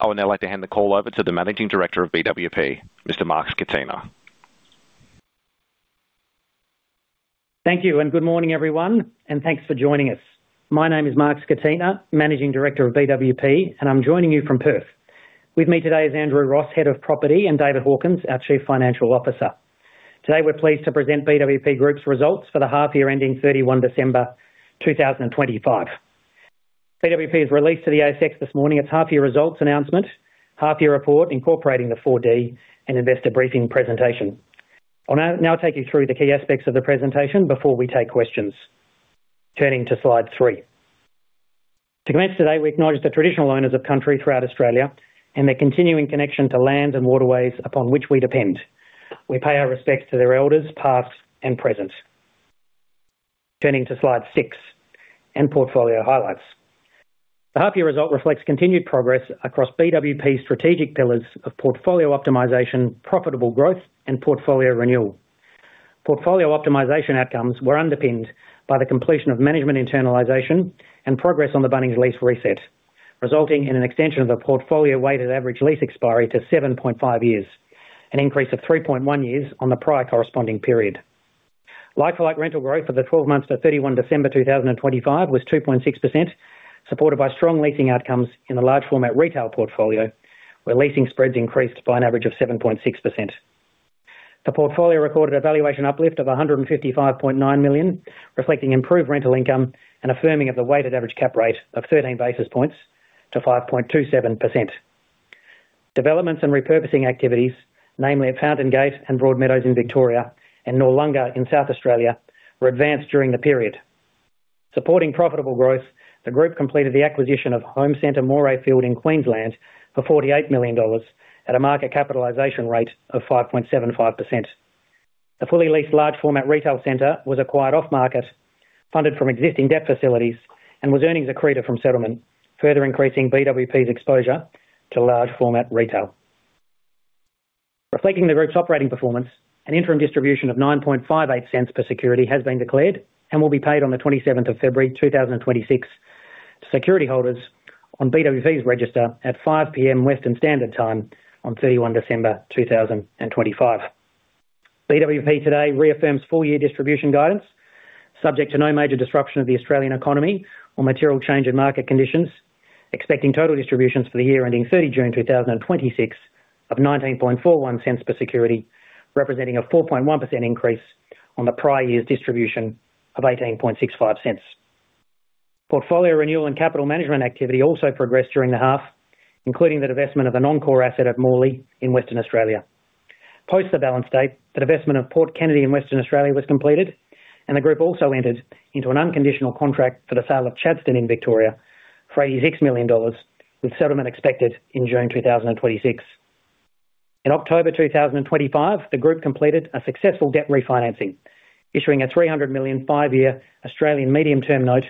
I would now like to hand the call over to the Managing Director of BWP, Mr. Mark Scatena. Thank you, and good morning, everyone, and thanks for joining us. My name is Mark Scatena, Managing Director of BWP, and I'm joining you from Perth. With me today is Andrew Ross, Head of Property, and David Hawkins, our Chief Financial Officer. Today, we're pleased to present BWP Group's results for the half year ending 31 December 2025. BWP has released to the ASX this morning its half year results announcement, half year report, incorporating the 4D and investor briefing presentation. I'll now take you through the key aspects of the presentation before we take questions. Turning to slide 3. To commence today, we acknowledge the traditional owners of country throughout Australia and their continuing connection to lands and waterways upon which we depend. We pay our respects to their elders, past and present. Turning to slide 6, and portfolio highlights. The half year result reflects continued progress across BWP's strategic pillars of portfolio optimization, profitable growth, and portfolio renewal. Portfolio optimization outcomes were underpinned by the completion of management internalization and progress on the Bunnings lease reset, resulting in an extension of the portfolio weighted average lease expiry to 7.5 years, an increase of 3.1 years on the prior corresponding period. Like-for-like rental growth for the twelve months to 31 December 2025 was 2.6%, supported by strong leasing outcomes in the large format retail portfolio, where leasing spreads increased by an average of 7.6%. The portfolio recorded a valuation uplift of 155.9 million, reflecting improved rental income and affirming of the weighted average Cap Rate of 13 basis points to 5.27%. Developments and repurposing activities, namely at Fountain Gate and Broadmeadows in Victoria and Noarlunga in South Australia, were advanced during the period. Supporting profitable growth, the group completed the acquisition of Home Centre Morayfield in Queensland for 48 million dollars at a market capitalization rate of 5.75%. The fully leased large format retail center was acquired off-market, funded from existing debt facilities, and was earnings accretive from settlement, further increasing BWP's exposure to large format retail. Reflecting the group's operating performance, an interim distribution of 0.0958 per security has been declared and will be paid on the twenty-seventh of February, 2026. Securityholders on BWP's register at 5:00 P.M. Western Standard Time on thirty-one December, 2025. BWP today reaffirms full-year distribution guidance, subject to no major disruption of the Australian economy or material change in market conditions, expecting total distributions for the year ending 30 June 2026 of 0.1941 per security, representing a 4.1% increase on the prior year's distribution of 0.1865. Portfolio renewal and capital management activity also progressed during the half, including the divestment of a non-core asset at Morley in Western Australia. Post the balance date, the divestment of Port Kennedy in Western Australia was completed, and the group also entered into an unconditional contract for the sale of Chadstone in Victoria for 86 million dollars, with settlement expected in June 2026. In October 2025, the group completed a successful debt refinancing, issuing 300 million, 5-year Australian medium-term note,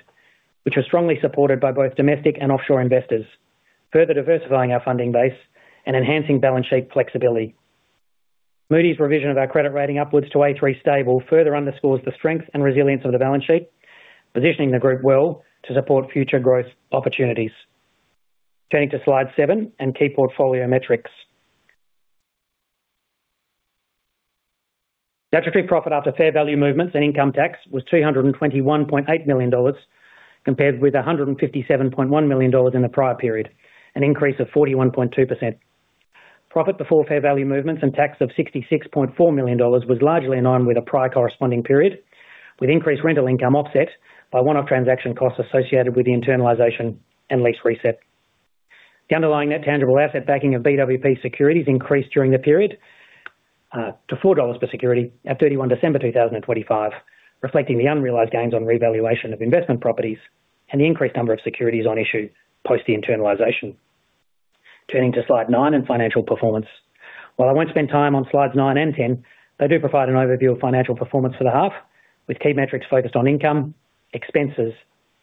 which was strongly supported by both domestic and offshore investors, further diversifying our funding base and enhancing balance sheet flexibility. Moody's revision of our credit rating upwards to A3 stable further underscores the strength and resilience of the balance sheet, positioning the group well to support future growth opportunities. Turning to slide 7 and key portfolio metrics. Attributable profit after fair value movements and income tax was 221.8 million dollars, compared with 157.1 million dollars in the prior period, an increase of 41.2%. Profit before fair value movements and tax of 66.4 million dollars was largely in line with the prior corresponding period, with increased rental income offset by one-off transaction costs associated with the internalization and lease reset. The underlying net tangible asset backing of BWP securities increased during the period, to 4 dollars per security at 31 December 2025, reflecting the unrealized gains on revaluation of investment properties and the increased number of securities on issue post the internalization. Turning to slide 9 and financial performance. While I won't spend time on slides 9 and 10, they do provide an overview of financial performance for the half, with key metrics focused on income, expenses,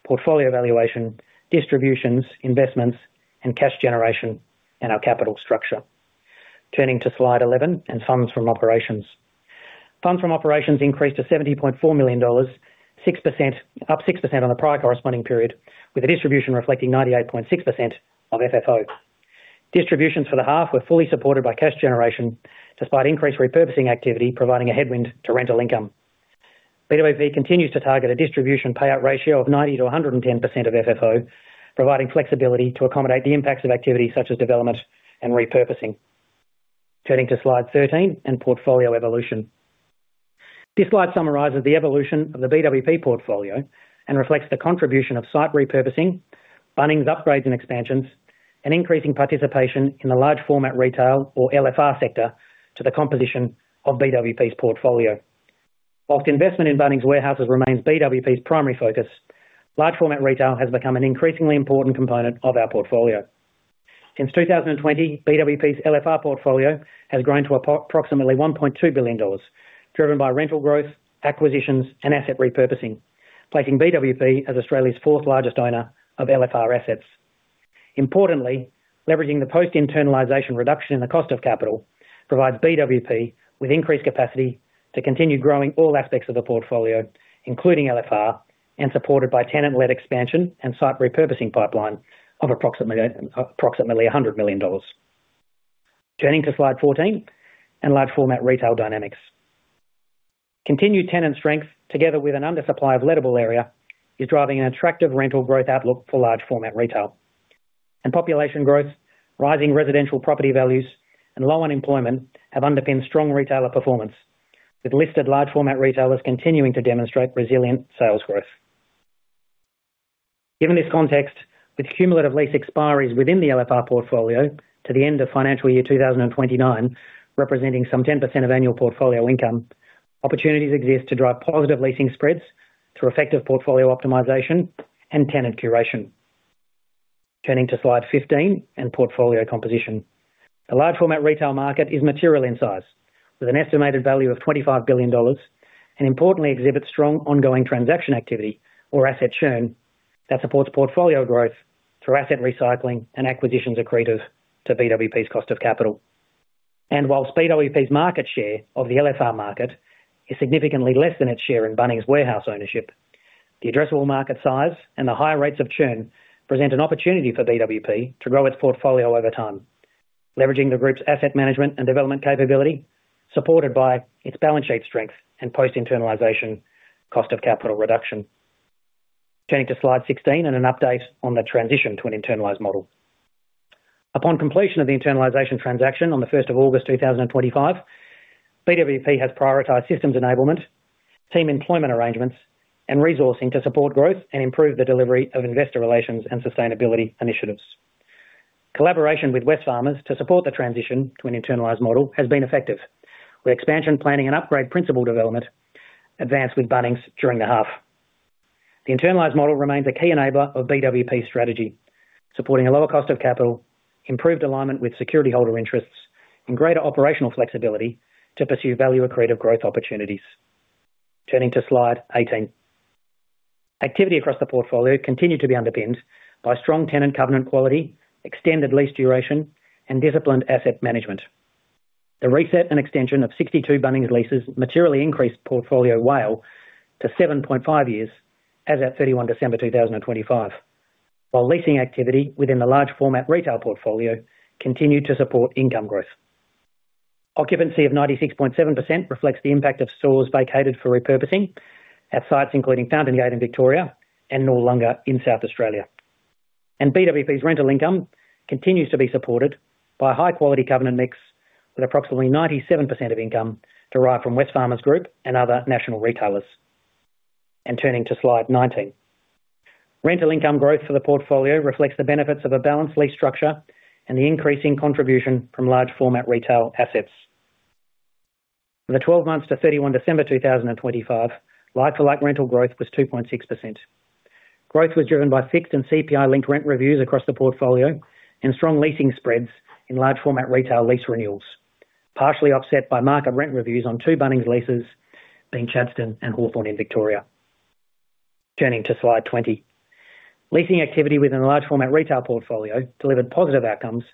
portfolio valuation, distributions, investments, and cash generation, and our capital structure. Turning to slide 11 and funds from operations. Funds from operations increased to 70.4 million dollars, 6%--up 6% on the prior corresponding period, with the distribution reflecting 98.6% of FFO. Distributions for the half were fully supported by cash generation, despite increased repurposing activity providing a headwind to rental income. BWP continues to target a distribution payout ratio of 90%-110% of FFO, providing flexibility to accommodate the impacts of activities such as development and repurposing. Turning to slide 13 and portfolio evolution. This slide summarizes the evolution of the BWP portfolio and reflects the contribution of site repurposing, Bunnings upgrades and expansions, and increasing participation in the large format retail or LFR sector to the composition of BWP's portfolio. While investment in Bunnings warehouses remains BWP's primary focus, large format retail has become an increasingly important component of our portfolio. Since 2020, BWP's LFR portfolio has grown to approximately 1.2 billion dollars, driven by rental growth, acquisitions, and asset repurposing, placing BWP as Australia's fourth largest owner of LFR assets. Importantly, leveraging the post-internalization reduction in the cost of capital provides BWP with increased capacity to continue growing all aspects of the portfolio, including LFR, and supported by tenant-led expansion and site repurposing pipeline of approximately 100 million dollars.... Turning to slide 14 and large format retail dynamics. Continued tenant strength, together with an undersupply of lettable area, is driving an attractive rental growth outlook for large format retail. Population growth, rising residential property values, and low unemployment have underpinned strong retailer performance, with listed large format retailers continuing to demonstrate resilient sales growth. Given this context, with cumulative lease expiries within the LFR portfolio to the end of financial year 2029, representing some 10% of annual portfolio income, opportunities exist to drive positive leasing spreads through effective portfolio optimization and tenant curation. Turning to slide 15, and portfolio composition. The large format retail market is material in size, with an estimated value of 25 billion dollars, and importantly exhibits strong ongoing transaction activity or asset churn that supports portfolio growth through asset recycling and acquisitions accretive to BWP's cost of capital. While BWP's market share of the LFR market is significantly less than its share in Bunnings Warehouse ownership, the addressable market size and the high rates of churn present an opportunity for BWP to grow its portfolio over time, leveraging the group's asset management and development capability, supported by its balance sheet strength and post-internalization cost of capital reduction. Turning to slide 16, an update on the transition to an internalized model. Upon completion of the internalization transaction on the first of August 2025, BWP has prioritized systems enablement, team employment arrangements, and resourcing to support growth and improve the delivery of investor relations and sustainability initiatives. Collaboration with Wesfarmers to support the transition to an internalized model has been effective, with expansion planning and upgrade principle development advanced with Bunnings during the half. The internalized model remains a key enabler of BWP's strategy, supporting a lower cost of capital, improved alignment with security holder interests, and greater operational flexibility to pursue value accretive growth opportunities. Turning to slide 18. Activity across the portfolio continued to be underpinned by strong tenant covenant quality, extended lease duration, and disciplined asset management. The reset and extension of 62 Bunnings leases materially increased portfolio WALE to 7.5 years as at 31 December 2025. While leasing activity within the large format retail portfolio continued to support income growth. Occupancy of 96.7% reflects the impact of stores vacated for repurposing at sites including Fountain Gate in Victoria and Noarlunga in South Australia. BWP's rental income continues to be supported by a high quality covenant mix, with approximately 97% of income derived from Wesfarmers Group and other national retailers. Turning to slide 19. Rental income growth for the portfolio reflects the benefits of a balanced lease structure and the increasing contribution from large format retail assets. In the 12 months to 31 December 2025, like-for-like rental growth was 2.6%. Growth was driven by fixed and CPI-linked rent reviews across the portfolio and strong leasing spreads in large format retail lease renewals, partially offset by market rent reviews on 2 Bunnings leases in Chadstone and Hawthorn in Victoria. Turning to slide 20. Leasing activity within the large format retail portfolio delivered positive outcomes,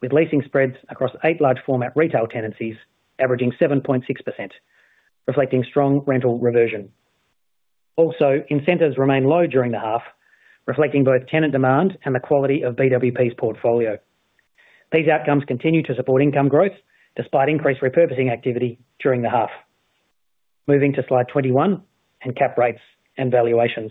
with leasing spreads across 8 large format retail tenancies averaging 7.6%, reflecting strong rental reversion. Also, incentives remained low during the half, reflecting both tenant demand and the quality of BWP's portfolio. These outcomes continue to support income growth, despite increased repurposing activity during the half. Moving to slide 21, in cap rates and valuations.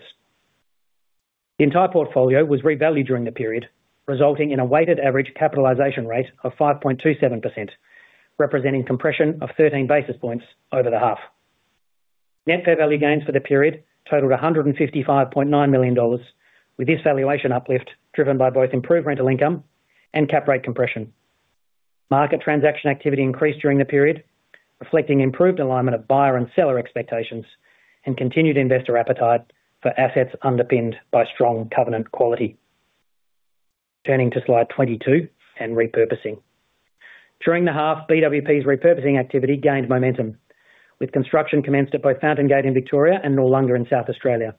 The entire portfolio was revalued during the period, resulting in a weighted average capitalization rate of 5.27%, representing compression of 13 basis points over the half. Net fair value gains for the period totaled 155.9 million dollars, with this valuation uplift driven by both improved rental income and cap rate compression. Market transaction activity increased during the period, reflecting improved alignment of buyer and seller expectations and continued investor appetite for assets underpinned by strong covenant quality. Turning to slide 22, and repurposing. During the half, BWP's repurposing activity gained momentum, with construction commenced at both Fountain Gate in Victoria and Noarlunga in South Australia,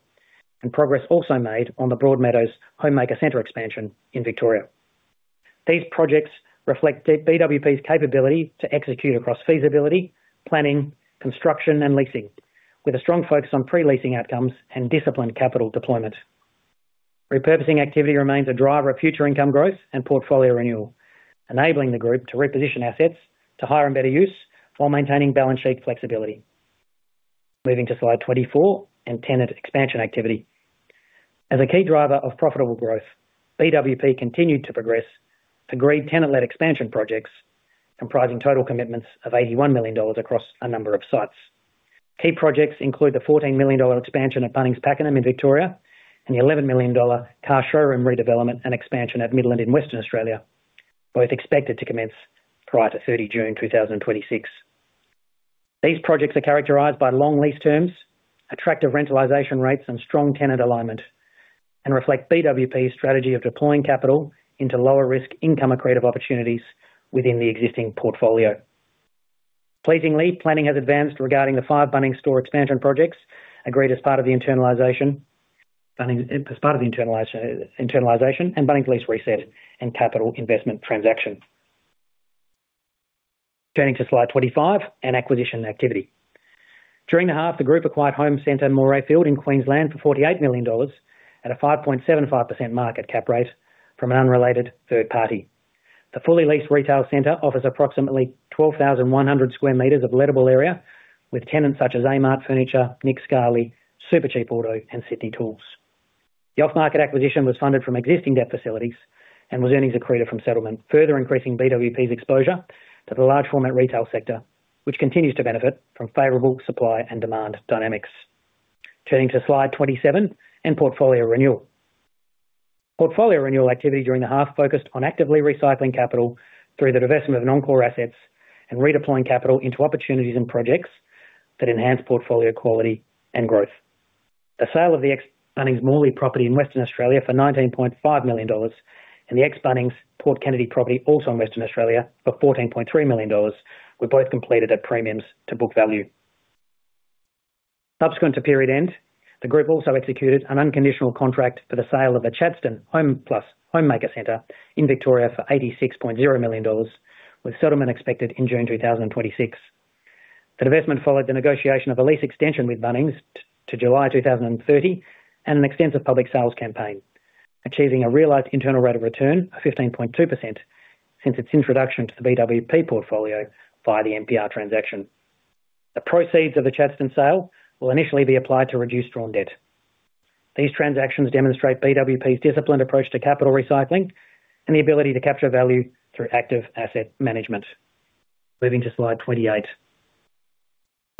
and progress also made on the Broadmeadows Homemaker Centre expansion in Victoria. These projects reflect BWP's capability to execute across feasibility, planning, construction, and leasing, with a strong focus on pre-leasing outcomes and disciplined capital deployment. Repurposing activity remains a driver of future income growth and portfolio renewal, enabling the group to reposition assets to higher and better use while maintaining balance sheet flexibility. Moving to slide 24, and tenant expansion activity. As a key driver of profitable growth, BWP continued to progress agreed tenant-led expansion projects comprising total commitments of 81 million dollars across a number of sites. Key projects include the 14 million dollar expansion at Bunnings Pakenham in Victoria and the 11 million dollar car showroom redevelopment and expansion at Midland in Western Australia, both expected to commence prior to 30 June 2026. These projects are characterized by long lease terms, attractive rentalization rates, and strong tenant alignment, and reflect BWP's strategy of deploying capital into lower risk income accretive opportunities within the existing portfolio. Pleasingly, planning has advanced regarding the five Bunnings store expansion projects, agreed as part of the internalization, and Bunnings lease reset and capital investment transaction. Turning to slide 25, and acquisition activity. During the half, the group acquired Home Centre in Morayfield, in Queensland, for 48 million dollars at a 5.75% market cap rate from an unrelated third party. The fully leased retail center offers approximately 12,100 sq m of lettable area, with tenants such as Amart Furniture, Nick Scali, Supercheap Auto, and Sydney Tools. The off-market acquisition was funded from existing debt facilities and was earnings accreted from settlement, further increasing BWP's exposure to the large format retail sector, which continues to benefit from favorable supply and demand dynamics. Turning to slide 27, and portfolio renewal. Portfolio renewal activity during the half focused on actively recycling capital through the divestment of non-core assets and redeploying capital into opportunities and projects that enhance portfolio quality and growth. The sale of the ex-Bunnings Morley property in Western Australia for 19.5 million dollars and the ex-Bunnings Port Kennedy property, also in Western Australia, for 14.3 million dollars, were both completed at premiums to book value. Subsequent to period end, the group also executed an unconditional contract for the sale of the Chadstone Homeplus Homemaker Centre in Victoria for 86.0 million dollars, with settlement expected in June 2026. The divestment followed the negotiation of a lease extension with Bunnings to July 2030 and an extensive public sales campaign, achieving a realized internal rate of return of 15.2% since its introduction to the BWP portfolio via the NPT transaction. The proceeds of the Chadstone sale will initially be applied to reduce drawn debt. These transactions demonstrate BWP's disciplined approach to capital recycling and the ability to capture value through active asset management. Moving to slide 28.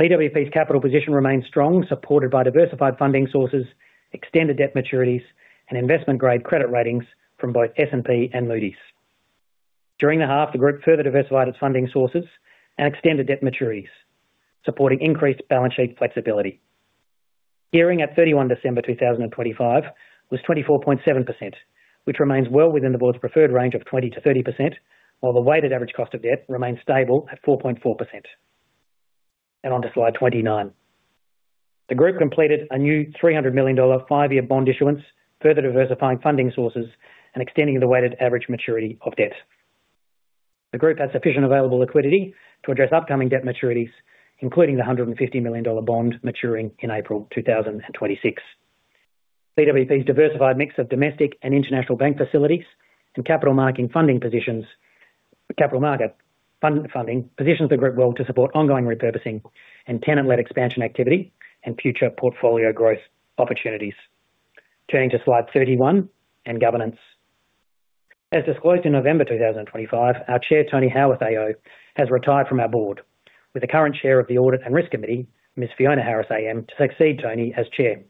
BWP's capital position remains strong, supported by diversified funding sources, extended debt maturities, and investment-grade credit ratings from both S&P and Moody's. During the half, the group further diversified its funding sources and extended debt maturities, supporting increased balance sheet flexibility. Gearing at 31 December 2025 was 24.7%, which remains well within the board's preferred range of 20%-30%, while the weighted average cost of debt remains stable at 4.4%. On to slide 29. The group completed a new 300 million dollar five-year bond issuance, further diversifying funding sources and extending the weighted average maturity of debt. The group has sufficient available liquidity to address upcoming debt maturities, including the 150 million dollar bond maturing in April 2026. BWP's diversified mix of domestic and international bank facilities and capital market funding positions the group well to support ongoing repurposing and tenant-led expansion activity and future portfolio growth opportunities. Turning to slide 31 and governance. As disclosed in November 2025, our Chair, Tony Howarth AO, has retired from our board, with the current Chair of the Audit and Risk Committee, Ms. Fiona Harris AM, to succeed Tony as Chair.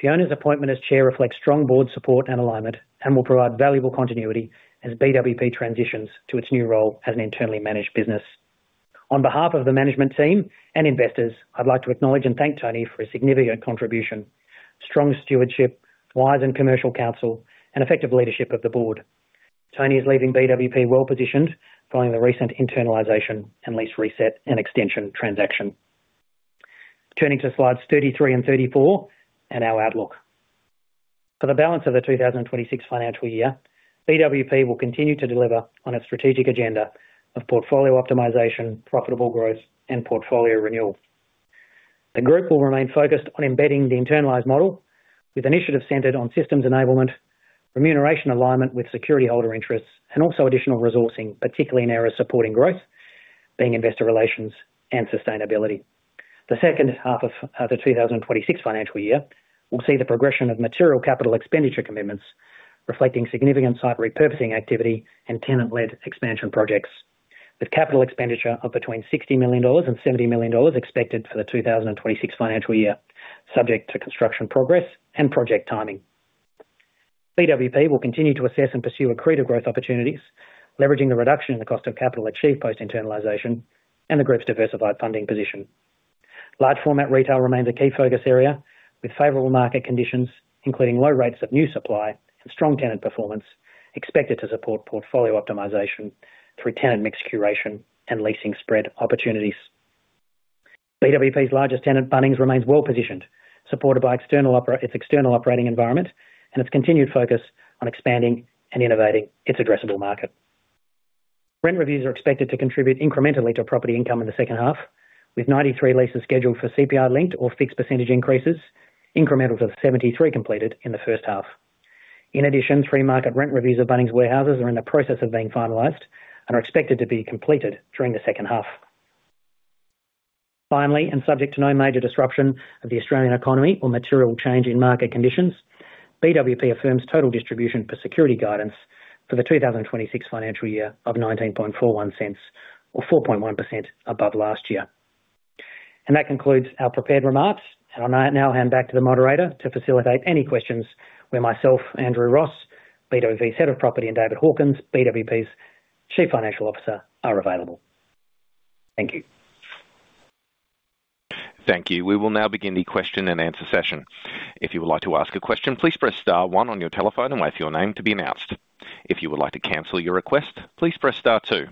Fiona's appointment as Chair reflects strong board support and alignment and will provide valuable continuity as BWP transitions to its new role as an internally managed business. On behalf of the management team and investors, I'd like to acknowledge and thank Tony for his significant contribution, strong stewardship, wise and commercial counsel, and effective leadership of the board. Tony is leaving BWP well-positioned following the recent internalization and lease reset and extension transaction. Turning to slides 33 and 34 and our outlook. For the balance of the 2026 financial year, BWP will continue to deliver on its strategic agenda of portfolio optimization, profitable growth, and portfolio renewal. The group will remain focused on embedding the internalized model with initiatives centered on systems enablement, remuneration alignment with security holder interests, and also additional resourcing, particularly in areas supporting growth, being investor relations and sustainability. The second half of the 2026 financial year will see the progression of material capital expenditure commitments, reflecting significant site repurposing activity and tenant-led expansion projects, with capital expenditure of between 60 million dollars and 70 million dollars expected for the 2026 financial year, subject to construction progress and project timing. BWP will continue to assess and pursue accretive growth opportunities, leveraging the reduction in the cost of capital achieved post-internalization and the group's diversified funding position. Large format retail remains a key focus area, with favorable market conditions, including low rates of new supply and strong tenant performance, expected to support portfolio optimization through tenant mix curation and leasing spread opportunities. BWP's largest tenant, Bunnings, remains well-positioned, supported by its external operating environment and its continued focus on expanding and innovating its addressable market. Rent reviews are expected to contribute incrementally to property income in the second half, with 93 leases scheduled for CPI linked or fixed percentage increases, incrementals of 73 completed in the first half. In addition, three market rent reviews of Bunnings warehouses are in the process of being finalized and are expected to be completed during the second half. Finally, and subject to no major disruption of the Australian economy or material change in market conditions, BWP affirms total distribution per security guidance for the 2026 financial year of 0.1941 or 4.1% above last year. That concludes our prepared remarks, and I now hand back to the moderator to facilitate any questions where myself, Andrew Ross, BWP's Head of Property, and David Hawkins, BWP's Chief Financial Officer, are available. Thank you. Thank you. We will now begin the question-and-answer session. If you would like to ask a question, please press star one on your telephone and wait for your name to be announced. If you would like to cancel your request, please press star two.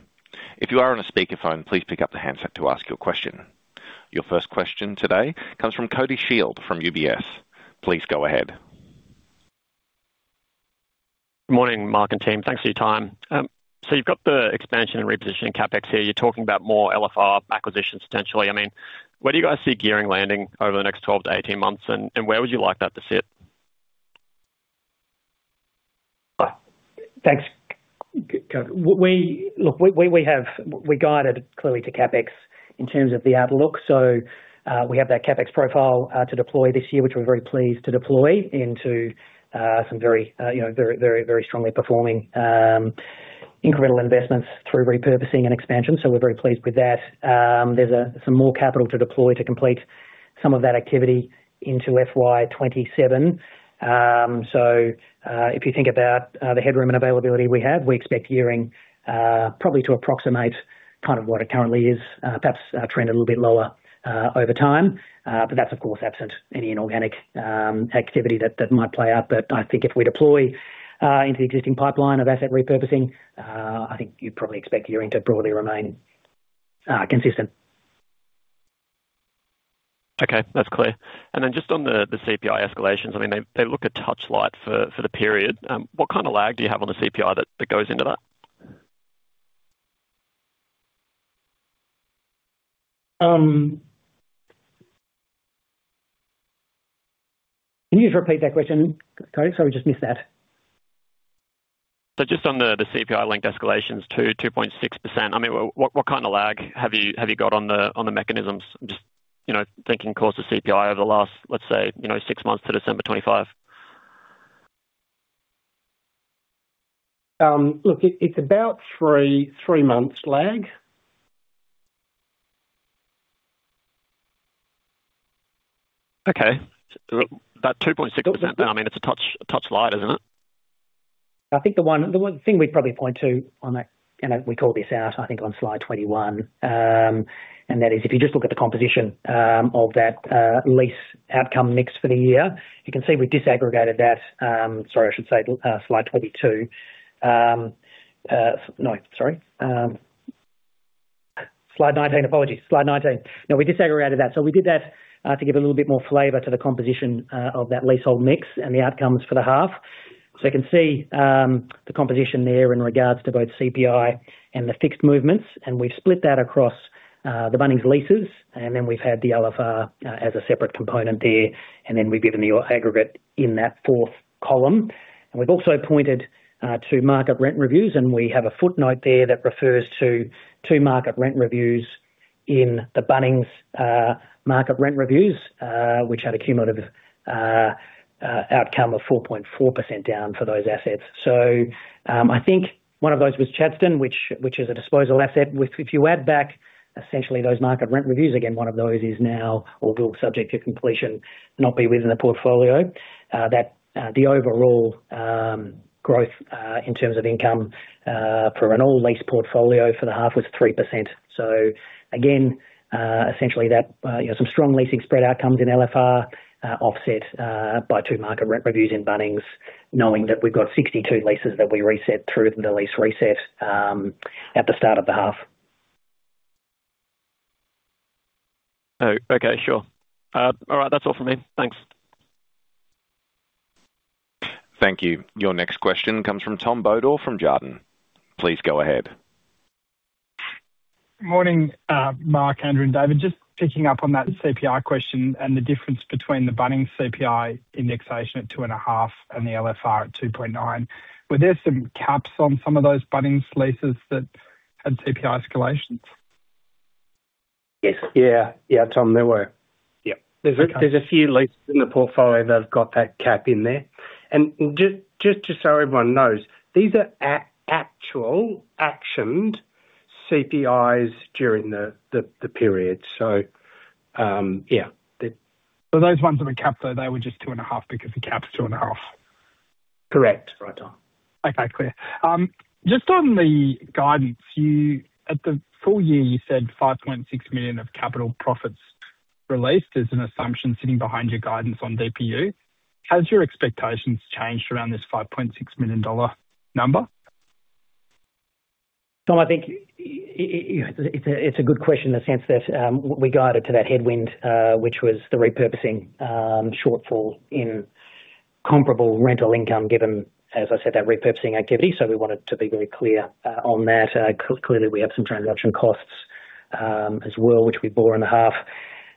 If you are on a speakerphone, please pick up the handset to ask your question. Your first question today comes from Cody Shield from UBS. Please go ahead. Good morning, Mark and team. Thanks for your time. So you've got the expansion and repositioning CapEx here. You're talking about more LFR acquisitions potentially. I mean, where do you guys see gearing landing over the next 12-18 months, and where would you like that to sit? Thanks, look, we have, we guided clearly to CapEx in terms of the outlook. So, we have that CapEx profile to deploy this year, which we're very pleased to deploy into some very, you know, very, very, very strongly performing incremental investments through repurposing and expansion. So we're very pleased with that. There's some more capital to deploy to complete some of that activity into FY 2027. So, if you think about the headroom and availability we have, we expect gearing probably to approximate kind of what it currently is, perhaps trend a little bit lower over time. But that's of course absent any inorganic activity that might play out. But I think if we deploy into the existing pipeline of asset repurposing, I think you'd probably expect gearing to broadly remain consistent. Okay, that's clear. And then just on the CPI escalations, I mean, they look a touch light for the period. What kind of lag do you have on the CPI that goes into that? Can you just repeat that question, Cody? Sorry, I just missed that. So just on the CPI-linked escalations to 2.6%, I mean, what kind of lag have you got on the mechanisms? Just, you know, thinking course of CPI over the last, let's say, you know, six months to December 2025. Look, it's about 3, 3 months lag. Okay. About 2.6%, I mean, it's a touch, a touch light, isn't it? I think the one thing we'd probably point to on that, and we call this out, I think on slide 21. And that is if you just look at the composition of that lease outcome mix for the year, you can see we've disaggregated that. Sorry, I should say slide 22. No, sorry, slide 19. Apologies, slide 19. No, we disaggregated that. So we did that to give a little bit more flavor to the composition of that leasehold mix and the outcomes for the half. So you can see the composition there in regards to both CPI and the fixed movements, and we've split that across the Bunnings leases, and then we've had the LFR as a separate component there, and then we've given the aggregate in that fourth column. We've also pointed to market rent reviews, and we have a footnote there that refers to two market rent reviews in the Bunnings market rent reviews, which had a cumulative outcome of 4.4% down for those assets. So, I think one of those was Chadstone, which is a disposal asset, which if you add back essentially those market rent reviews, again, one of those is now or will, subject to completion, not be within the portfolio. The overall growth in terms of income for an all lease portfolio for the half was 3%. So again, essentially that, you know, some strong leasing spread outcomes in LFR, offset by two market rent reviews in Bunnings, knowing that we've got 62 leases that we reset through the lease reset, at the start of the half. Oh, okay. Sure. All right, that's all for me. Thanks. Thank you. Your next question comes from Tom Bodor, from Jarden. Please go ahead. Morning, Mark, Andrew, and David. Just picking up on that CPI question and the difference between the Bunnings CPI indexation at 2.5 and the LFR at 2.9. Were there some caps on some of those Bunnings leases that had CPI escalations? Yes. Yeah. Yeah, Tom, there were. Yep. There's a few leases in the portfolio that have got that cap in there. And just so everyone knows, these are actual actioned CPIs during the period. So, yeah, the- Those ones that were capped, though, they were just 2.5 because the cap's 2.5? Correct. Right, Tom. Okay, clear. Just on the guidance, you... at the full year, you said 5.6 million of capital profits released as an assumption sitting behind your guidance on DPU. Has your expectations changed around this 5.6 million dollar number? Tom, I think it's a, it's a good question in the sense that, we guided to that headwind, which was the repurposing, shortfall in comparable rental income, given, as I said, that repurposing activity. So we wanted to be very clear, on that. Clearly, we have some transaction costs, as well, which we bore in the half.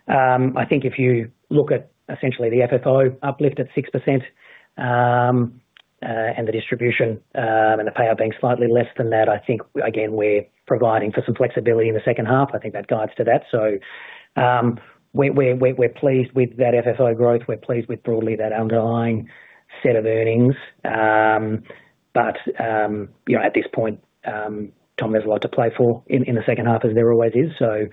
I think if you look at essentially the FFO uplift at 6%, and the distribution, and the payout being slightly less than that, I think again, we're providing for some flexibility in the second half. I think that guides to that. So, we're pleased with that FFO growth. We're pleased with broadly that underlying set of earnings. But, you know, at this point, Tom, there's a lot to play for in the second half, as there always is. So,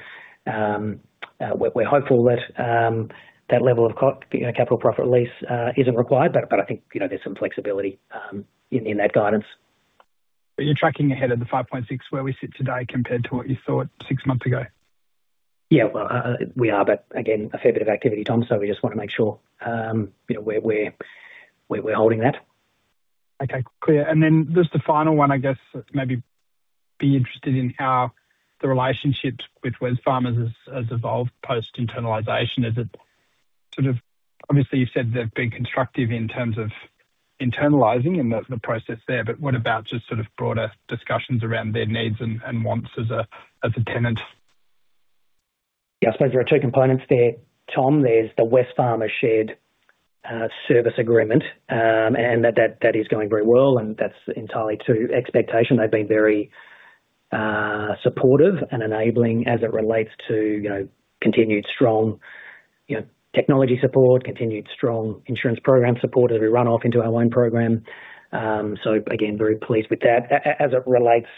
we're hopeful that that level of, you know, capital profit release isn't required, but I think, you know, there's some flexibility in that guidance. You're tracking ahead of the 5.6 where we sit today compared to what you thought six months ago? Yeah, well, we are, but again, a fair bit of activity, Tom, so we just want to make sure, you know, we're holding that. Okay, clear. And then just a final one, I guess, maybe be interested in how the relationships with Wesfarmers has, has evolved post-internalization. Is it-... Sort of, obviously, you've said they've been constructive in terms of internalizing and the, the process there, but what about just sort of broader discussions around their needs and, and wants as a, as a tenant? Yeah, I suppose there are two components there, Tom. There's the Wesfarmers Shared service agreement, and that is going very well, and that's entirely to expectation. They've been very supportive and enabling as it relates to, you know, continued strong, you know, technology support, continued strong insurance program support as we run off into our own program. So again, very pleased with that. As it relates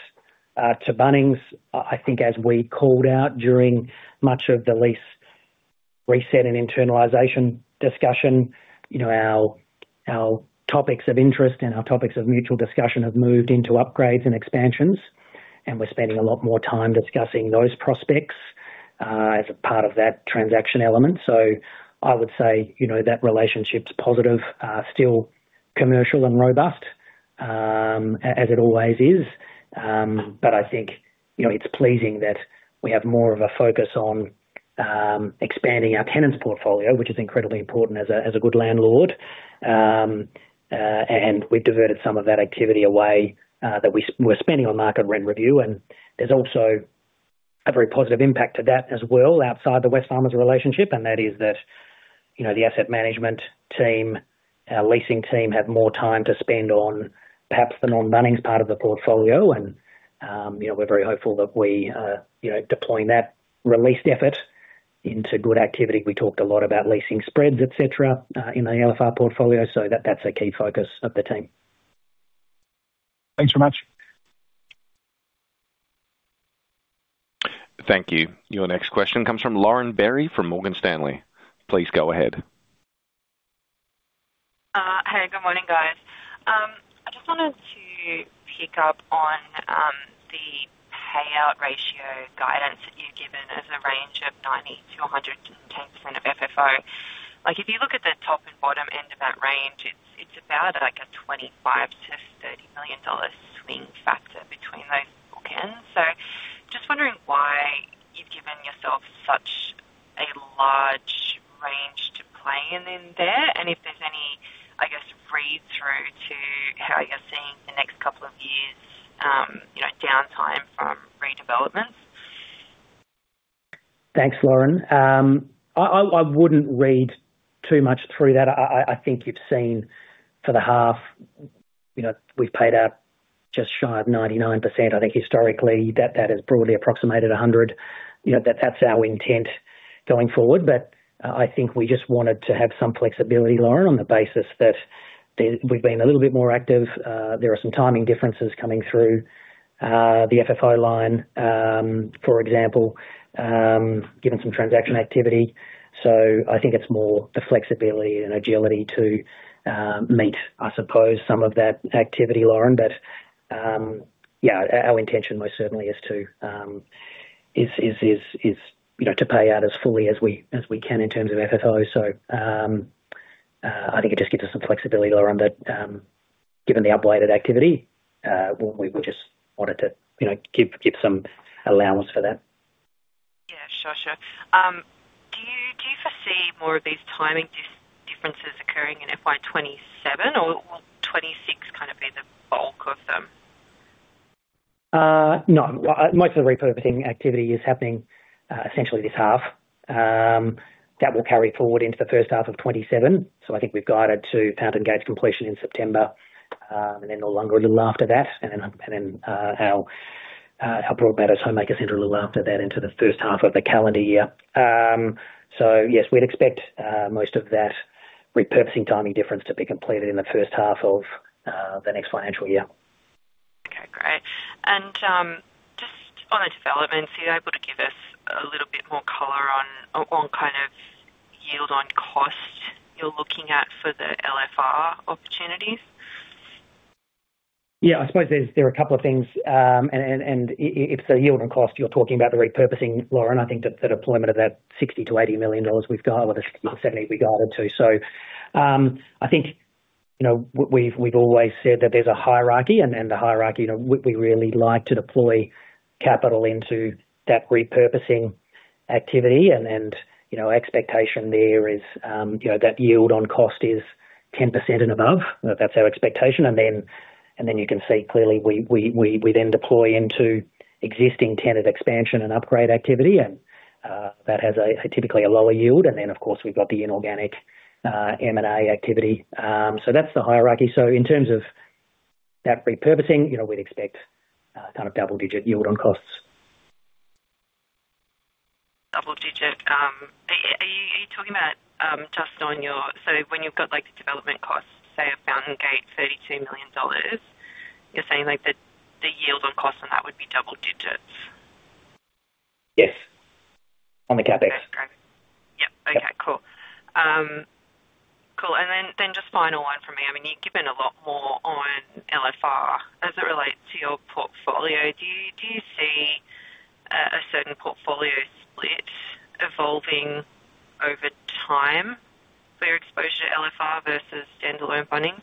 to Bunnings, I think as we called out during much of the lease reset and internalization discussion, you know, our topics of interest and our topics of mutual discussion have moved into upgrades and expansions, and we're spending a lot more time discussing those prospects as a part of that transaction element. So I would say, you know, that relationship's positive, still commercial and robust as it always is. But I think, you know, it's pleasing that we have more of a focus on, expanding our tenants' portfolio, which is incredibly important as a, as a good landlord. And we've diverted some of that activity away, that we're spending on market rent review, and there's also a very positive impact to that as well, outside the Wesfarmers relationship, and that is that, you know, the asset management team, our leasing team, have more time to spend on perhaps the non-Bunnings part of the portfolio. And, you know, we're very hopeful that we, you know, deploying that released effort into good activity. We talked a lot about leasing spreads, et cetera, in the LFR portfolio, so that, that's a key focus of the team. Thanks very much. Thank you. Your next question comes from Lauren Berry, from Morgan Stanley. Please go ahead. Hey, good morning, guys. I just wanted to pick up on the payout ratio guidance that you've given as a range of 90%-110% of FFO. Like, if you look at the top and bottom end of that range, it's, it's about, like, a 25 million-30 million dollar swing factor between those bookends. So just wondering why you've given yourself such a large range to play in, in there, and if there's any, I guess, read-through to how you're seeing the next couple of years, you know, downtime from redevelopments? Thanks, Lauren. I wouldn't read too much through that. I think you've seen for the half, you know, we've paid out just shy of 99%. I think historically, that has broadly approximated 100. You know, that's our intent going forward. But, I think we just wanted to have some flexibility, Lauren, on the basis that there, we've been a little bit more active. There are some timing differences coming through the FFO line, for example, given some transaction activity. So I think it's more the flexibility and agility to meet, I suppose, some of that activity, Lauren. But, yeah, our intention most certainly is to, you know, pay out as fully as we can in terms of FFO. So, I think it just gives us some flexibility, Lauren, but, given the uplifted activity, we just wanted to, you know, give some allowance for that. Yeah, sure. Sure. Do you foresee more of these timing differences occurring in FY 2027, or will 2026 kind of be the bulk of them? No, most of the repurposing activity is happening, essentially this half. That will carry forward into the first half of 2027. So I think we've guided to Fountain Gate completion in September, and then Noarlunga a little after that, and then our Broadmeadows Homemaker Centre a little after that, into the first half of the calendar year. So yes, we'd expect most of that repurposing timing difference to be completed in the first half of the next financial year. Okay, great. And just on the developments, are you able to give us a little bit more color on kind of yield on cost you're looking at for the LFR opportunities? Yeah, I suppose there's, there are a couple of things. And if the yield on cost, you're talking about the repurposing, Lauren, I think that the deployment of that 60 million-80 million dollars we've guided, or 70 we guided to. So, I think, you know, we've always said that there's a hierarchy and a hierarchy that we really like to deploy capital into that repurposing activity. And, you know, expectation there is, you know, that yield on cost is 10% and above. That's our expectation. And then you can see clearly, we then deploy into existing tenant expansion and upgrade activity, and that has typically a lower yield. And then, of course, we've got the inorganic, M&A activity. So that's the hierarchy. So in terms of that repurposing, you know, we'd expect kind of double-digit yield on cost. Double digit, are you talking about just on your... So when you've got, like, the development costs, say, of Fountain Gate, 32 million dollars, you're saying, like, that the yield on cost on that would be double digits? Yes. On the CapEx. Great. Yep. Okay, cool. Cool, and then just final one from me. I mean, you've given a lot more on LFR as it relates to your portfolio. Do you see a certain portfolio split evolving over time for your exposure to LFR versus standalone funding?...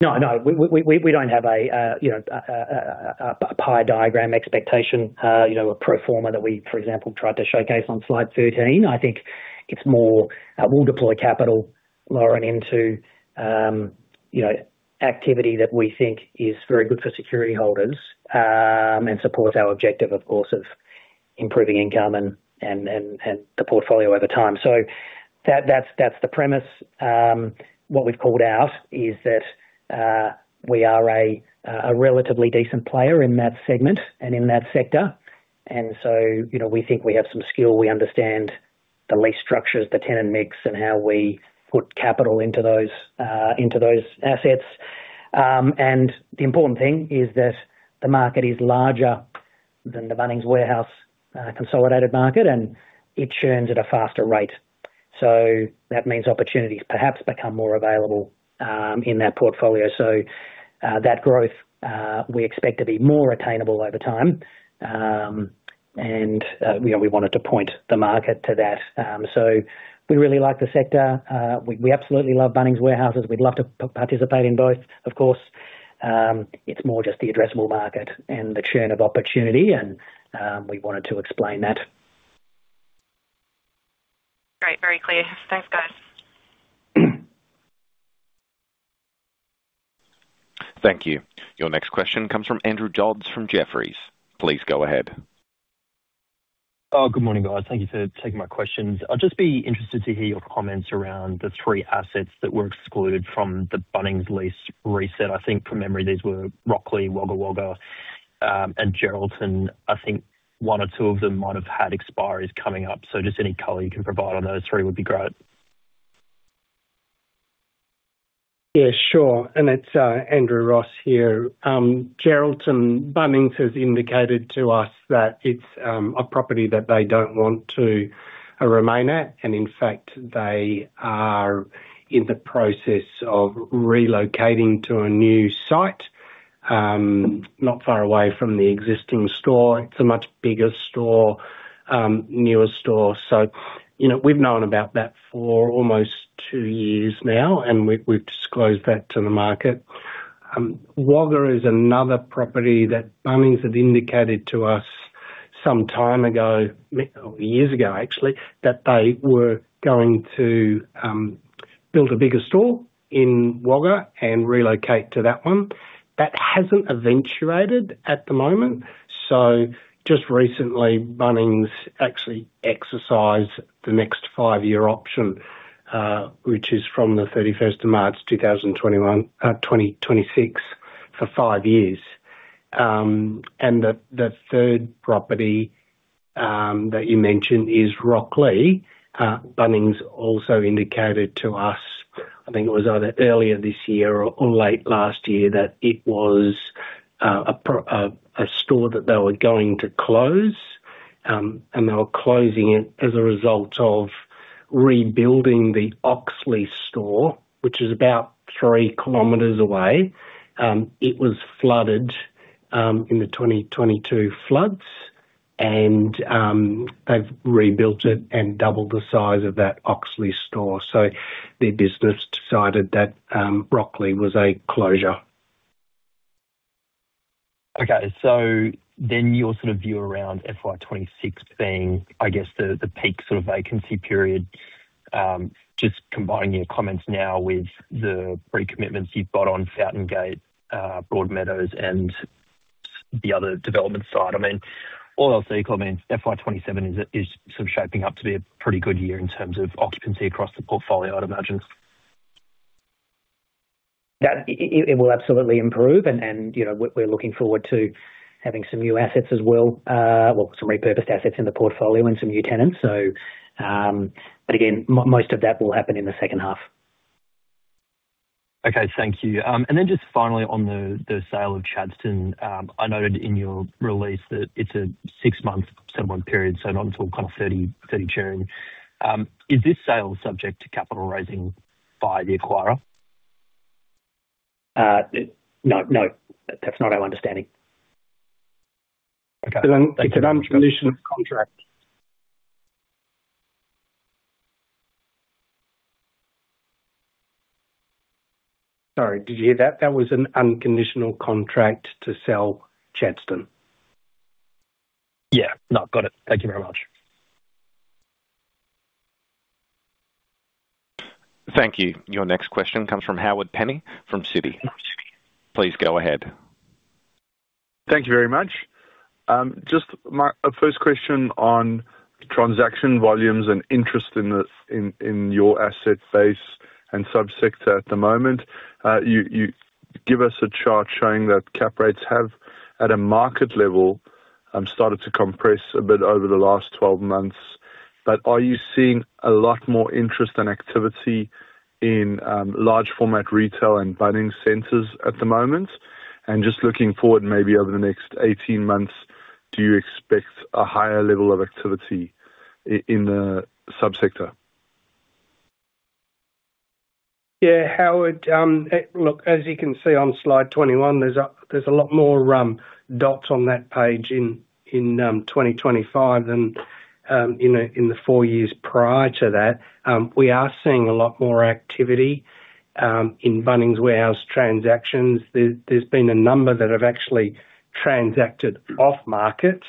No, no, we don't have a, you know, a pie diagram expectation, you know, a pro forma that we, for example, tried to showcase on slide 13. I think it's more, we'll deploy capital, Lauren, into, you know, activity that we think is very good for security holders, and supports our objective, of course, of improving income and the portfolio over time. So that's the premise. What we've called out is that, we are a relatively decent player in that segment and in that sector. And so, you know, we think we have some skill, we understand the lease structures, the tenant mix, and how we put capital into those assets. And the important thing is that the market is larger than the Bunnings Warehouse consolidated market, and it churns at a faster rate. So that means opportunities perhaps become more available in that portfolio. So that growth we expect to be more attainable over time. And you know, we wanted to point the market to that. So we really like the sector. We, we absolutely love Bunnings Warehouses. We'd love to participate in both, of course. It's more just the addressable market and the churn of opportunity, and we wanted to explain that. Great, very clear. Thanks, guys. Thank you. Your next question comes from Andrew Dodds, from Jefferies. Please go ahead. Oh, good morning, guys. Thank you for taking my questions. I'd just be interested to hear your comments around the three assets that were excluded from the Bunnings lease reset. I think from memory, these were Rocklea, Wagga Wagga, and Geraldton. I think one or two of them might have had expiries coming up, so just any color you can provide on those three would be great. Yeah, sure. It's Andrew Ross here. Geraldton, Bunnings has indicated to us that it's a property that they don't want to remain at, and in fact, they are in the process of relocating to a new site, not far away from the existing store. It's a much bigger store, newer store. So, you know, we've known about that for almost two years now, and we've disclosed that to the market. Wagga is another property that Bunnings had indicated to us some time ago, years ago, actually, that they were going to build a bigger store in Wagga and relocate to that one. That hasn't eventuated at the moment, so just recently, Bunnings actually exercised the next five-year option, which is from the 31st of March, 2021, 2026, for five years. And the third property that you mentioned is Rocklea. Bunnings also indicated to us, I think it was either earlier this year or late last year, that it was a store that they were going to close. And they were closing it as a result of rebuilding the Oxley store, which is about three kilometers away. It was flooded in the 2022 floods, and they've rebuilt it and doubled the size of that Oxley store. So their business decided that Rocklea was a closure. Okay, so then your sort of view around FY 2026 being, I guess, the peak sort of vacancy period, just combining your comments now with the recommitments you've got on Fountain Gate, Broadmeadows and the other development side. I mean, all else equal, I mean, FY 2027 is, is sort of shaping up to be a pretty good year in terms of occupancy across the portfolio, I'd imagine. That it will absolutely improve, and you know, we're looking forward to having some new assets as well, well, some repurposed assets in the portfolio and some new tenants. So, but again, most of that will happen in the second half. Okay, thank you. And then just finally on the sale of Chadstone. I noted in your release that it's a six-month, seven-month period, so not until kind of 30 June. Is this sale subject to capital raising by the acquirer? No, no, that's not our understanding. Okay. It's an unconditional contract. Sorry, did you hear that? That was an unconditional contract to sell Chadstone. Yeah. No, got it. Thank you very much. Thank you. Your next question comes from Howard Penny from Citi. Please go ahead. Thank you very much. Just my first question on transaction volumes and interest in your asset base and subsector at the moment. You give us a chart showing that cap rates have, at a market level, started to compress a bit over the last 12 months. But are you seeing a lot more interest and activity in large format retail and Bunnings centers at the moment? And just looking forward, maybe over the next 18 months, do you expect a higher level of activity in the subsector? Yeah, Howard, look, as you can see on slide 21, there's a lot more dots on that page in 2025 than in the four years prior to that. We are seeing a lot more activity in Bunnings Warehouse transactions. There's been a number that have actually transacted off market.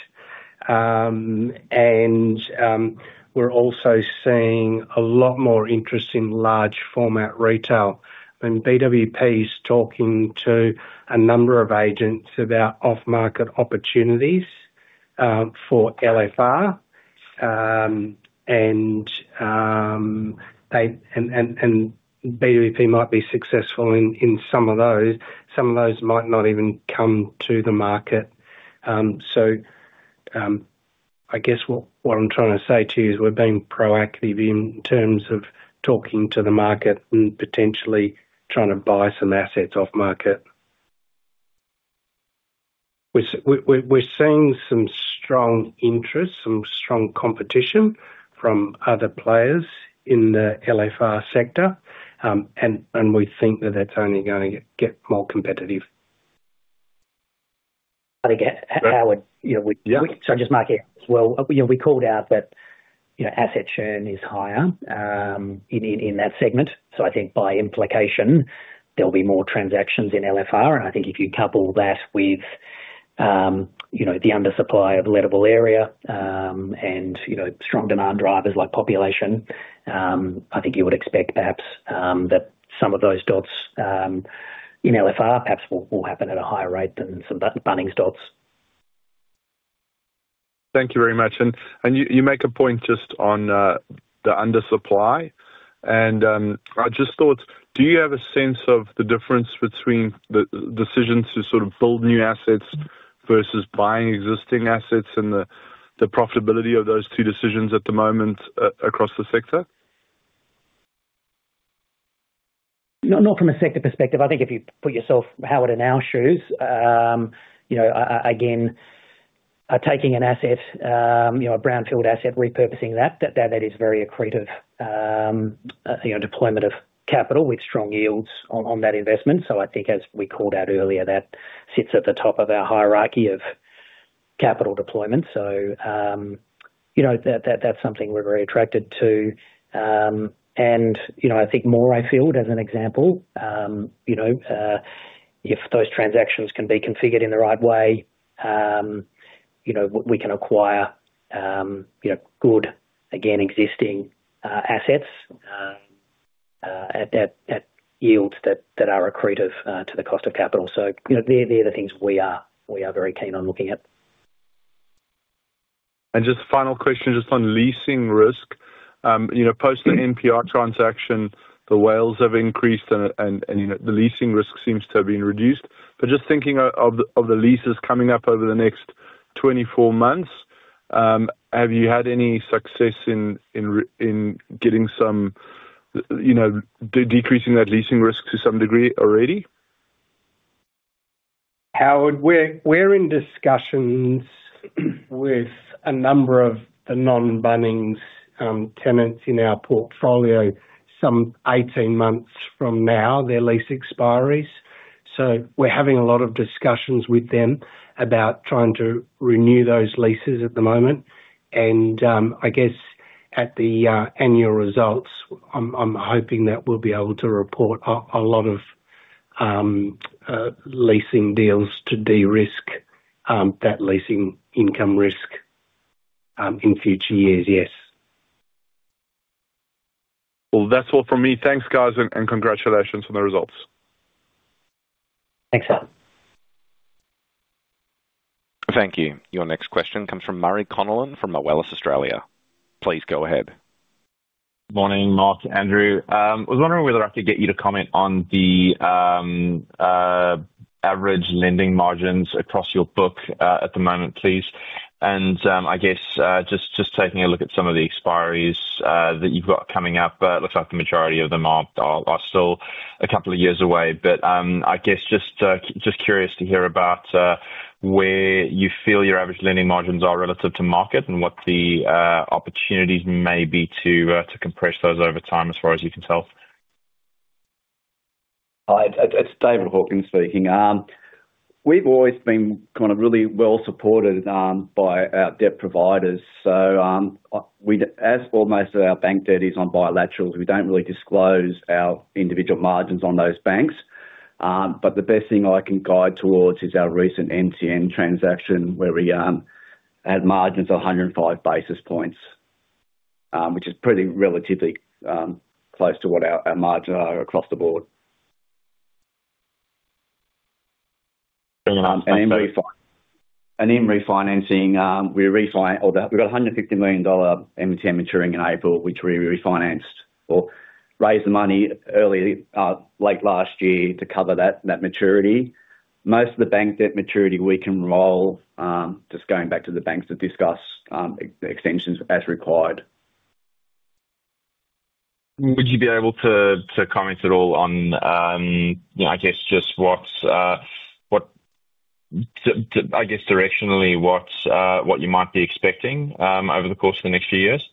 And we're also seeing a lot more interest in large format retail. When BWP is talking to a number of agents about off market opportunities for LFR, and BWP might be successful in some of those. Some of those might not even come to the market. So, I guess what I'm trying to say to you is we're being proactive in terms of talking to the market and potentially trying to buy some assets off market. We're seeing some strong interest, some strong competition from other players in the LFR sector. And we think that that's only going to get more competitive. Again, Howard, you know- Yeah. Sorry, just Mark here as well. You know, we called out that, you know, asset churn is higher in that segment. So I think by implication, there'll be more transactions in LFR, and I think if you couple that with, you know, the undersupply of lettable area, and, you know, strong demand drivers like population, I think you would expect perhaps that some of those dots in LFR perhaps will happen at a higher rate than some Bunnings dots. Thank you very much. And you make a point just on the undersupply, and I just thought, do you have a sense of the difference between the decision to sort of build new assets versus buying existing assets and the profitability of those two decisions at the moment across the sector? Not from a sector perspective. I think if you put yourself, Howard, in our shoes, you know, again, taking an asset, you know, a brownfield asset, repurposing that is very accretive, you know, deployment of capital with strong yields on that investment. So I think as we called out earlier, that sits at the top of our hierarchy of capital deployment. So, you know, that's something we're very attracted to. And, you know, I think Morayfield, as an example, you know, if those transactions can be configured in the right way, you know, we can acquire, you know, good, again, existing assets at yields that are accretive to the cost of capital. You know, they're the things we are very keen on looking at. Just final question, just on leasing risk. You know, post the NPT transaction, the WALEs have increased and, you know, the leasing risk seems to have been reduced. But just thinking of the leases coming up over the next 24 months, have you had any success in getting some, you know, decreasing that leasing risk to some degree already? Howard, we're in discussions with a number of the non-Bunnings tenants in our portfolio. Some 18 months from now, their lease expires. So we're having a lot of discussions with them about trying to renew those leases at the moment, and I guess at the annual results, I'm hoping that we'll be able to report a lot of leasing deals to de-risk that leasing income risk in future years. Yes. Well, that's all from me. Thanks, guys, and, and congratulations on the results. Thanks, Howard. Thank you. Your next question comes from Murray Connellan, from Moelis Australia. Please go ahead. Morning, Mark, Andrew. I was wondering whether I could get you to comment on the average lending margins across your book at the moment, please. I guess just taking a look at some of the expiries that you've got coming up, it looks like the majority of them are still a couple of years away. But I guess just curious to hear about where you feel your average lending margins are relative to market, and what the opportunities may be to compress those over time, as far as you can tell. It's David Hawkins speaking. We've always been kind of really well supported by our debt providers. So, as for most of our bank debt is on bilaterals, we don't really disclose our individual margins on those banks. But the best thing I can guide towards is our recent MTN transaction, where we had margins of 105 basis points, which is pretty relatively close to what our margins are across the board. And then- In refinancing, we've got an 150 million dollar MTN maturing in April, which we refinanced or raised the money early, late last year to cover that maturity. Most of the bank debt maturity we can roll, just going back to the banks to discuss the extensions as required. Would you be able to comment at all on, you know, I guess just what's directionally what you might be expecting over the course of the next few years?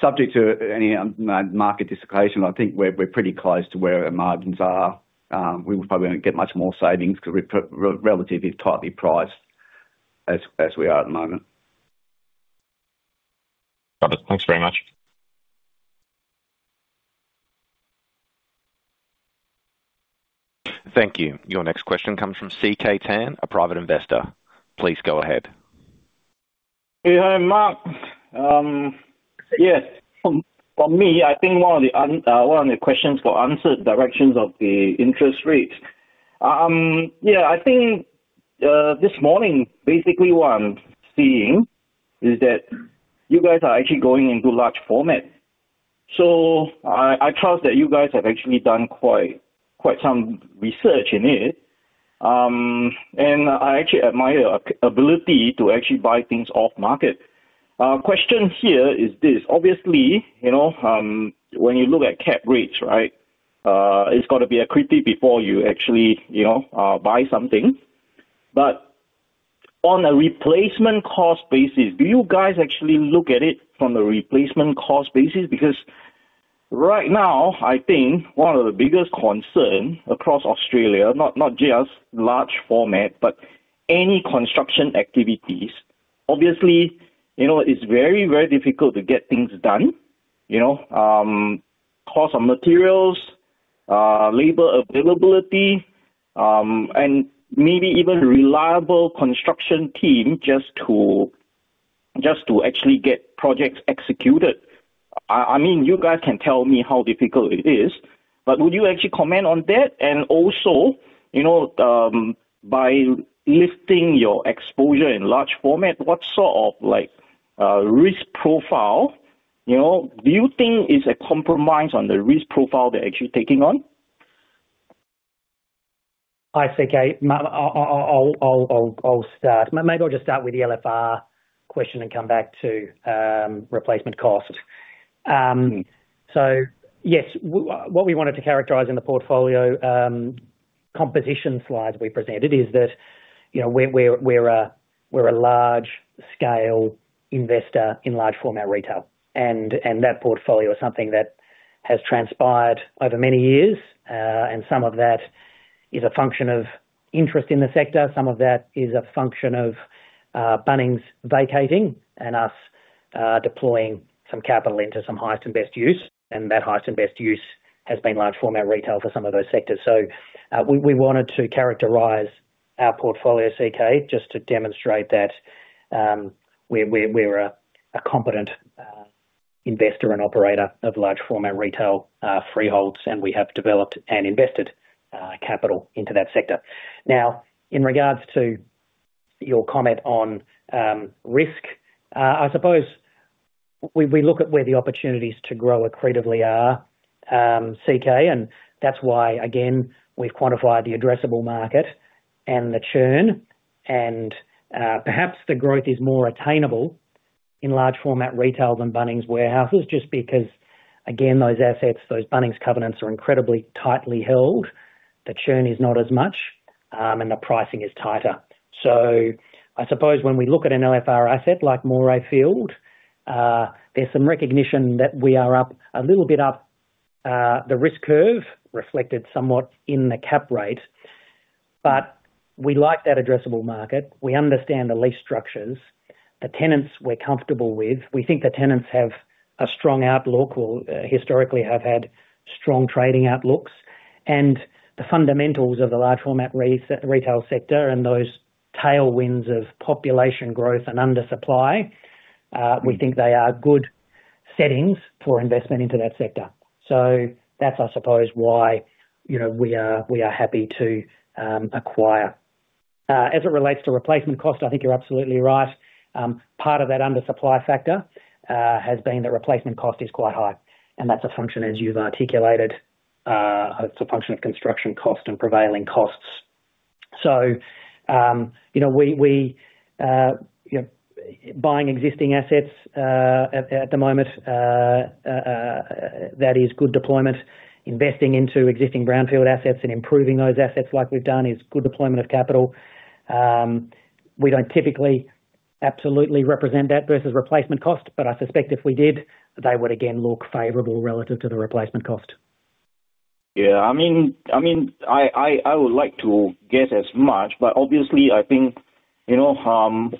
Subject to any market dislocation, I think we're, we're pretty close to where our margins are. We probably won't get much more savings 'cause we're relatively tightly priced as, as we are at the moment. Got it. Thanks very much. Thank you. Your next question comes from CK Tan, a private investor. Please go ahead. Hey, Mark. Yes, from me, I think one of the questions got answered, directions of the interest rates. Yeah, I think this morning, basically what I'm seeing is that you guys are actually going into large format. So I trust that you guys have actually done quite, quite some research in it. And I actually admire your capability to actually buy things off market. Question here is this: obviously, you know, when you look at cap rates, right, it's got to be accretive before you actually, you know, buy something. But on a replacement cost basis, do you guys actually look at it from a replacement cost basis? Because right now, I think one of the biggest concern across Australia, not, not just large format, but any construction activities, obviously, you know, it's very, very difficult to get things done, you know. Cost of materials, labor availability, and maybe even reliable construction team just to, just to actually get projects executed. I mean, you guys can tell me how difficult it is, but would you actually comment on that? And also, you know, by lifting your exposure in large format, what sort of, like, risk profile, you know, do you think it's a compromise on the risk profile they're actually taking on? Hi, CK. I'll start. Maybe I'll just start with the LFR question and come back to replacement cost. So yes, what we wanted to characterize in the portfolio composition slides we presented is that, you know, we're a large-scale investor in large format retail, and that portfolio is something that has transpired over many years. And some of that is a function of interest in the sector, some of that is a function of Bunnings vacating and us deploying some capital into some highest and best use, and that highest and best use has been large format retail for some of those sectors. So, we wanted to characterize our portfolio, CK, just to demonstrate that, we're a competent investor and operator of large format retail freeholds, and we have developed and invested capital into that sector. Now, in regards to your comment on risk, I suppose we look at where the opportunities to grow accretively are, CK, and that's why, again, we've quantified the addressable market and the churn, and perhaps the growth is more attainable in large format retail than Bunnings warehouses, just because, again, those assets, those Bunnings covenants are incredibly tightly held. The churn is not as much, and the pricing is tighter. So I suppose when we look at an LFR asset like Morayfield, there's some recognition that we are up a little bit up the risk curve reflected somewhat in the cap rate, but we like that addressable market. We understand the lease structures. The tenants we're comfortable with, we think the tenants have a strong outlook or historically have had strong trading outlooks. And the fundamentals of the large format retail sector and those tailwinds of population growth and undersupply, we think they are good settings for investment into that sector. So that's, I suppose, why, you know, we are happy to acquire. As it relates to replacement cost, I think you're absolutely right. Part of that undersupply factor has been the replacement cost is quite high, and that's a function, as you've articulated, it's a function of construction cost and prevailing costs. So, you know, we you know, buying existing assets at the moment, that is good deployment. Investing into existing brownfield assets and improving those assets like we've done, is good deployment of capital. We don't typically absolutely represent that versus replacement cost, but I suspect if we did, they would again look favorable relative to the replacement cost. Yeah, I mean, I would like to guess as much, but obviously, I think, you know,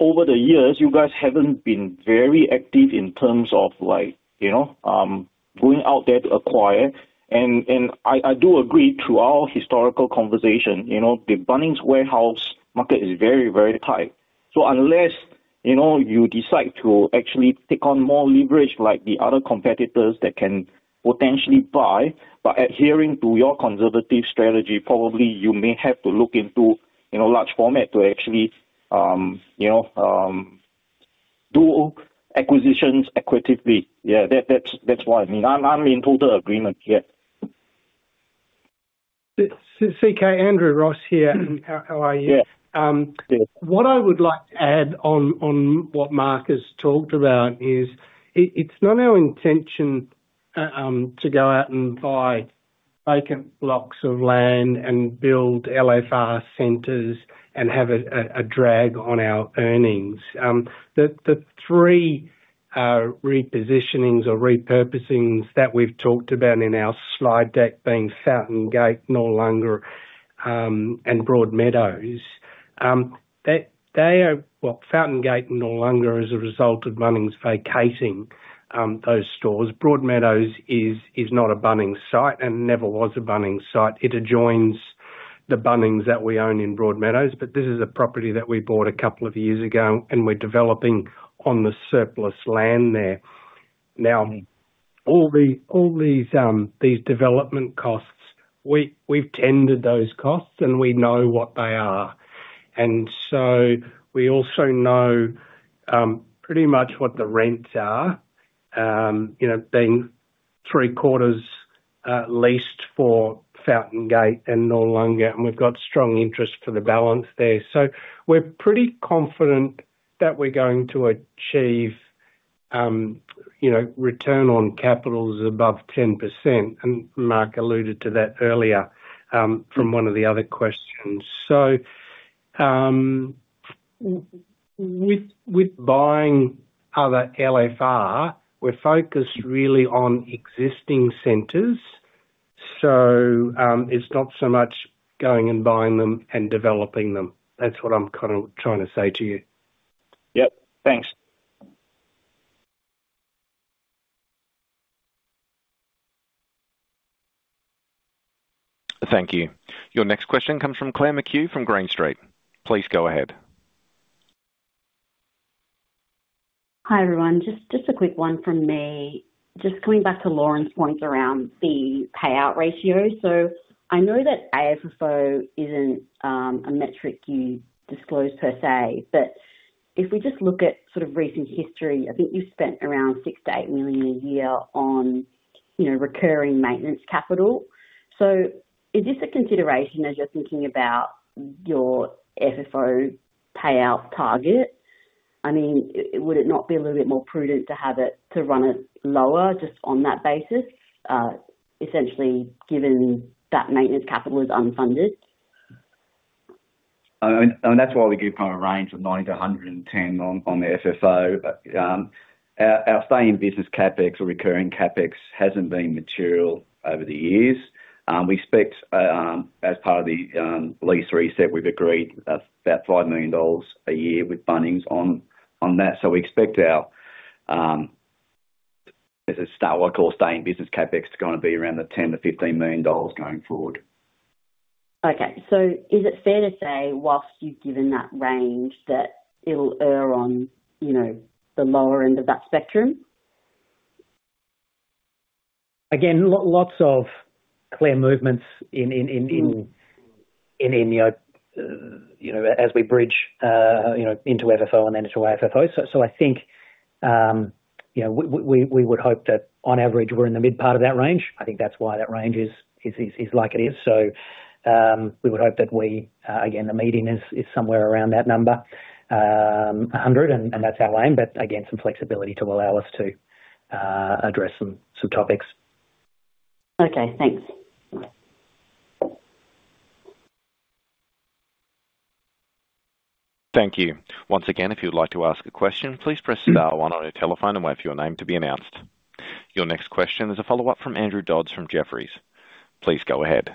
over the years, you guys haven't been very active in terms of like, you know, going out there to acquire. And I do agree to our historical conversation, you know, the Bunnings Warehouse market is very, very tight. So unless, you know, you decide to actually take on more leverage like the other competitors that can potentially buy, by adhering to your conservative strategy, probably you may have to look into, you know, large format to actually, you know, do acquisitions equitably. Yeah, that's what I mean. I'm in total agreement here. CK, Andrew Ross here. How are you? Yeah. What I would like to add on, on what Mark has talked about is it, it's not our intention to go out and buy- Vacant blocks of land and build LFR centers and have a drag on our earnings. The three repositionings or repurposings that we've talked about in our slide deck, being Fountain Gate, Noarlunga, and Broadmeadows, they are. Well, Fountain Gate and Noarlunga are a result of Bunnings vacating those stores. Broadmeadows is not a Bunnings site and never was a Bunnings site. It adjoins the Bunnings that we own in Broadmeadows, but this is a property that we bought a couple of years ago, and we're developing on the surplus land there. Now, all these development costs, we've tendered those costs and we know what they are. And so we also know, pretty much what the rents are, you know, being three quarters leased for Fountain Gate and Noarlunga, and we've got strong interest for the balance there. So we're pretty confident that we're going to achieve, you know, return on capitals above 10%, and Mark alluded to that earlier, from one of the other questions. So, with buying other LFR, we're focused really on existing centers. So, it's not so much going and buying them and developing them. That's what I'm kind of trying to say to you. Yep. Thanks. Thank you. Your next question comes from Claire McHugh from Green Street. Please go ahead. Hi, everyone. Just a quick one from me. Just coming back to Lauren's point around the payout ratio. So I know that AFFO isn't a metric you disclose per se, but if we just look at sort of recent history, I think you've spent around 6 million-8 million a year on, you know, recurring maintenance capital. So is this a consideration as you're thinking about your FFO payout target? I mean, would it not be a little bit more prudent to have it, to run it lower just on that basis, essentially, given that maintenance capital is unfunded? And that's why we give kind of a range of 90-110 on the FFO. But, our staying business CapEx or recurring CapEx hasn't been material over the years. We expect, as part of the lease reset, we've agreed about 5 million dollars a year with Bunnings on that. So we expect our, as a start, what I call staying business CapEx, is gonna be around the 10-15 million dollars going forward. Okay. So is it fair to say, while you've given that range, that it'll err on, you know, the lower end of that spectrum? Again, lots of clear movements in, you know, as we bridge, you know, into FFO and then to AFFO. So, I think, you know, we would hope that on average, we're in the mid part of that range. I think that's why that range is like it is. So, we would hope that we, again, the meeting is somewhere around that number, 100, and that's our lane, but again, some flexibility to allow us to address some topics. Okay, thanks. Thank you. Once again, if you'd like to ask a question, please press star one on your telephone and wait for your name to be announced. Your next question is a follow-up from Andrew Dodds from Jefferies. Please go ahead.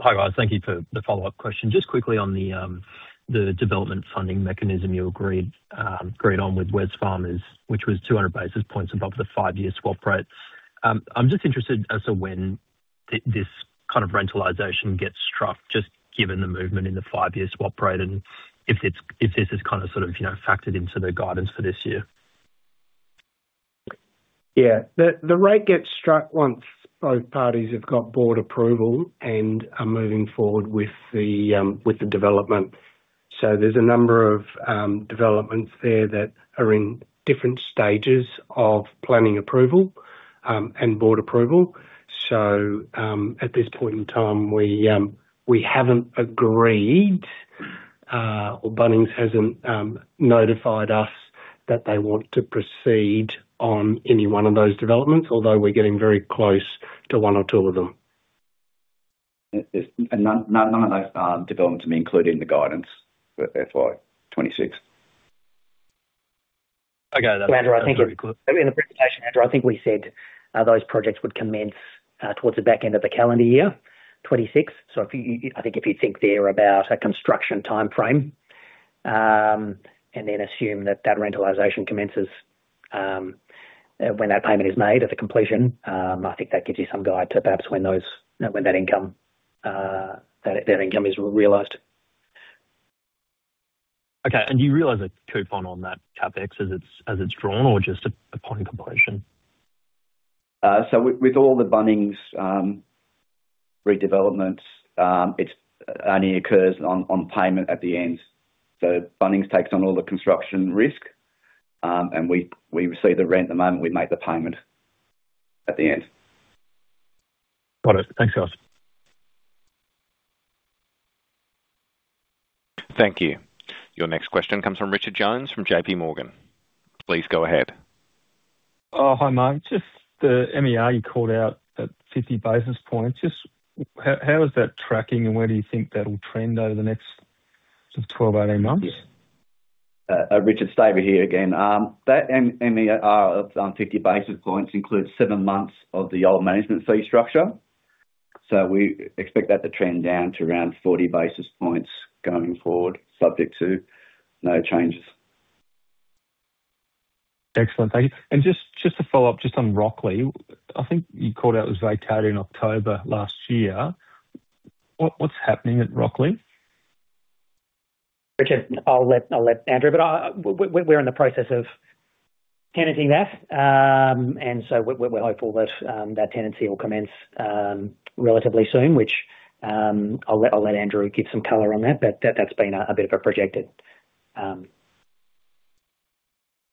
Hi, guys. Thank you for the follow-up question. Just quickly on the development funding mechanism you agreed on with Wesfarmers, which was 200 basis points above the five-year swap rate. I'm just interested as to when this kind of rentalization gets struck, just given the movement in the five-year swap rate, and if this is kind of, sort of, you know, factored into the guidance for this year. Yeah. The rate gets struck once both parties have got board approval and are moving forward with the development. So there's a number of developments there that are in different stages of planning approval and board approval. So at this point in time, we haven't agreed or Bunnings hasn't notified us that they want to proceed on any one of those developments, although we're getting very close to one or two of them. There's... And none, none of those developments have been included in the guidance for FY 26. Okay. Andrew, I think in the presentation, Andrew, I think we said, those projects would commence, towards the back end of the calendar year 2026. So if you, I think if you think there about a construction timeframe, and then assume that that rentalization commences, when that payment is made at the completion, I think that gives you some guide to perhaps when those, when that income, that, that income is realized. Okay. And do you realize a coupon on that CapEx as it's, as it's drawn or just upon completion? So with all the Bunnings redevelopments, it only occurs on payment at the end. So Bunnings takes on all the construction risk, and we receive the rent the moment we make the payment at the end. Got it. Thanks, guys. Thank you. Your next question comes from Richard Jones, from JP Morgan. Please go ahead. Hi, Mark. Just the MER you called out at 50 basis points. Just how is that tracking, and where do you think that'll trend over the next sort of 12-18 months? Richard, it's David here again. That and MER of 50 basis points includes 7 months of the old management fee structure. So we expect that to trend down to around 40 basis points going forward, subject to no changes. Excellent. Thank you. Just, just to follow up, just on Rocklea, I think you called out it was vacated in October last year. What, what's happening at Rocklea? Richard, I'll let Andrew, but we're in the process of tenanting that. And so we're hopeful that that tenancy will commence relatively soon, which I'll let Andrew give some color on that, but that's been a bit of a projected.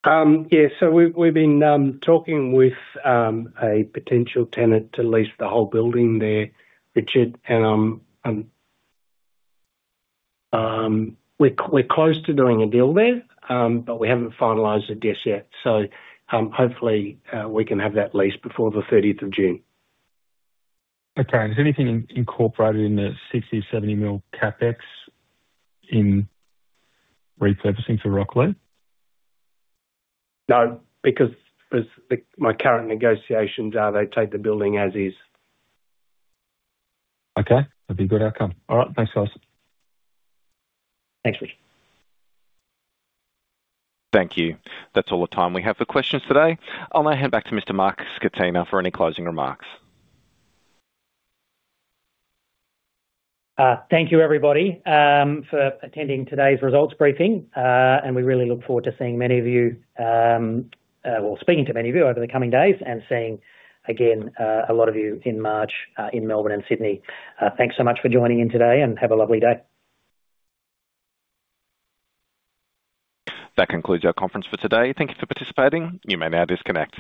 Yeah, so we've been talking with a potential tenant to lease the whole building there, Richard, and we're close to doing a deal there, but we haven't finalized it just yet. So, hopefully, we can have that lease before the thirtieth of June. Okay. Is anything incorporated in the 60 million-70 million CapEx in repurposing for Rocklea? No, because my current negotiations are, they take the building as is. Okay. That'd be a good outcome. All right, thanks, guys. Thanks, Richard. Thank you. That's all the time we have for questions today. I'll now hand back to Mr. Mark Scatena for any closing remarks. Thank you, everybody, for attending today's results briefing. We really look forward to seeing many of you, well, speaking to many of you over the coming days and seeing, again, a lot of you in March, in Melbourne and Sydney. Thanks so much for joining in today, and have a lovely day. That concludes our conference for today. Thank you for participating. You may now disconnect.